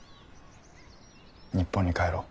日本に帰ろう。